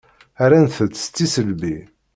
Rant-tt s tisselbi.